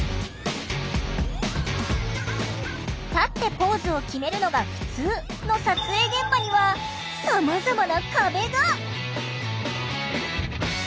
「立ってポーズをきめるのがふつう」の撮影現場にはさまざまな壁が。